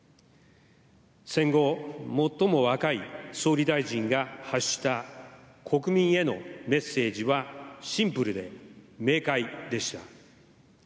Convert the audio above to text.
戦後最も若い総理大臣が発した国民へのメッセージはシンプルで明快でした。